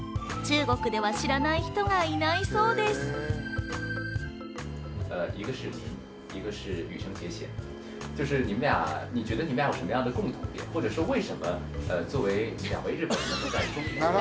中国では知らない人がいないそうです。